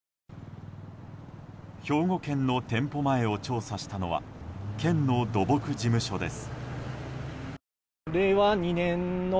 兵庫県の店舗前を調査したのは県の土木事務所です。